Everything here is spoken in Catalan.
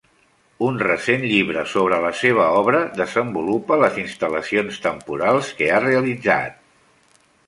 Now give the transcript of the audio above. Un recent llibre sobre la seva obra desenvolupa les instal·lacions temporals que ha realitzat.